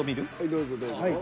どうぞどうぞ。